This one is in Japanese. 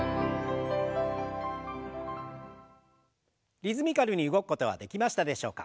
リズミカルに動くことはできましたでしょうか？